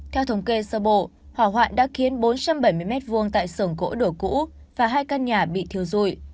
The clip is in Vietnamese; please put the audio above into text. theo thống kê sơ bộ hỏa hoạn đã khiến bốn trăm bảy mươi m hai tại sưởng gỗ đổ cũ và hai căn nhà bị thiêu dụi